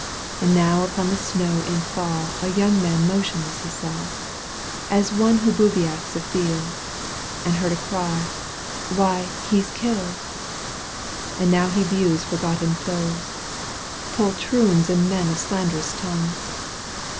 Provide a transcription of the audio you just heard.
245 And now npon the snow in thaw A young man motionless he saw, As one who bivouacs afield, And heard a voice cry — Why ! he's Jdlled !— And now he views forgotten foes, Poltroons and men of slanderous tongue.